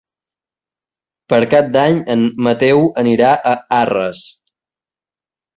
Per Cap d'Any en Mateu anirà a Arres.